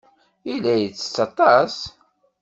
Yella yettett aṭas.